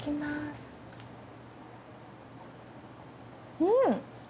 うん！